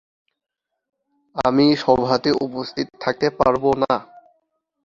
আমি সভাতে উপস্থিত থাকতে পারব না।